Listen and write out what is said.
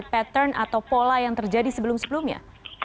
pattern atau pola yang terjadi sebelum sebelumnya